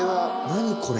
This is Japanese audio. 何これ。